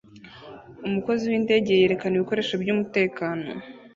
Umukozi windege yerekana ibikoresho byumutekano